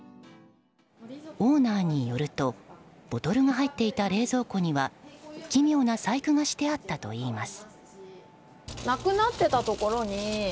オーナーによるとボトルが入っていた冷蔵庫には奇妙な細工がしてあったといいます。